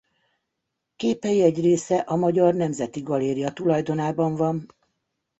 Képei egy része a Magyar Nemzeti Galéria tulajdonában van.